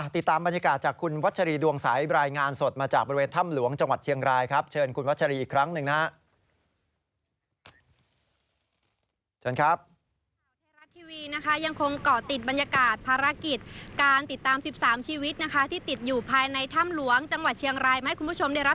ติดตามบรรยากาศจากคุณวัชรีดวงสายรายงานสดมาจากบริเวณถ้ำหลวงจังหวัดเชียงรายครับ